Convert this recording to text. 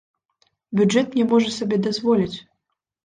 Бюджэт не можа сабе дазволіць.